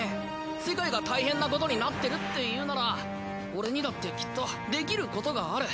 世界が大変なことになってるって言うなら俺にだってきっとできることがある。